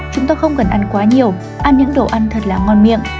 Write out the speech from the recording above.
chúng tôi không cần ăn quá nhiều ăn những đồ ăn thật là ngon miệng